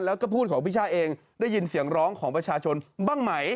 แล้วก็พูดของพี่ช่าเองได้ยินเสียงร้องของประชาชนบ้างไหม